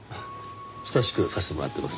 親しくさせてもらってます。